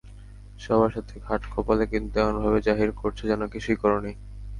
সবার সাথে খাট কাঁপালে, কিন্তু এমনভাবে জাহির করছ যেন কিছুই করোনি।